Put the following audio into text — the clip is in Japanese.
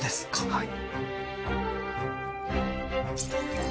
はい。